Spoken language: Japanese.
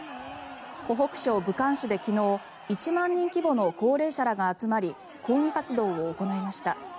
湖北省武漢市で昨日１万人規模の高齢者らが集まり抗議活動を行いました。